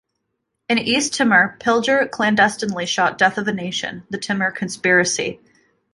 In East Timor Pilger clandestinely shot "Death of a Nation: The Timor Conspiracy".